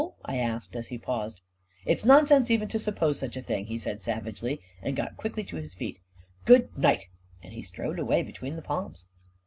" I asked, as he paused. " It's nonsense even to suppose such a thing," he said, savagely, and got quickly to his feet. " Good night !" And he strode away between the palms.